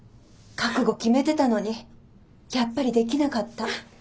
覚悟決めてたのにやっぱりできなかった。